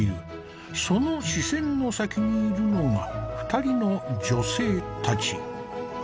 その視線の先にいるのが２人の女性たち。